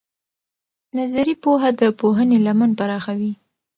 نظري پوهه د پوهنې لمن پراخوي.